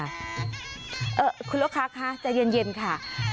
คุณลูกค้าคะใจเย็นค่ะ